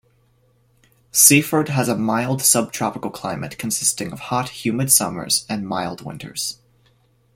Seaford has a mild subtropical climate consisting of hot, humid summers and mild winters.